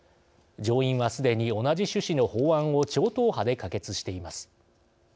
上院は、すでに同じ趣旨の法案を超党派で可決しています。